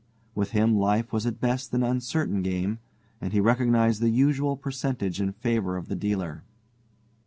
With him life was at best an uncertain game, and he recognized the usual percentage in favor of the dealer.